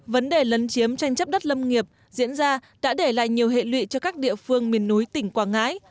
vấn đề lấn chiếm tranh chấp đất lâm nghiệp diễn ra đã để lại nhiều hệ lụy cho các địa phương miền núi tỉnh quảng ngãi